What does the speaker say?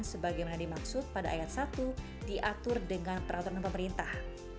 sebagaimana dimaksud pada ayat satu diatur dengan peraturan pemerintah